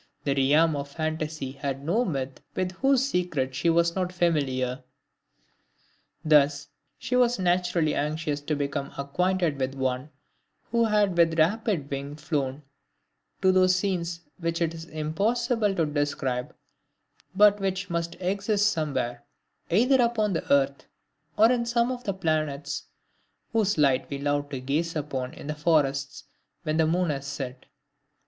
The realm of fantasy had no myth with whose secret she was not familiar! Thus she was naturally anxious to become acquainted with one who had with rapid wing flown "to those scenes which it is impossible to describe, but which must exist somewhere, either upon the earth, or in some of the planets, whose light we love to gaze upon in the forests when the moon has set."